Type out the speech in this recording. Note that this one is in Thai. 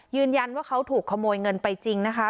ยืนยันว่าเขาถูกขโมยเงินไปจริงนะคะ